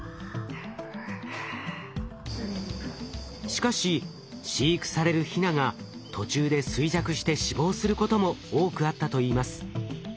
しかし飼育されるヒナが途中で衰弱して死亡することも多くあったといいます。